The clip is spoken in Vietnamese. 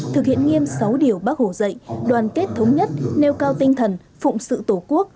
thực hiện nghiêm sáu điều bác hồ dạy đoàn kết thống nhất nêu cao tinh thần phụng sự tổ quốc